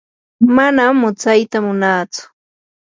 manam mutsyata munaatsu.